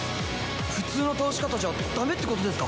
普通の倒し方じゃだめってことですか？